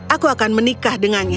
aku akan menikah dengannya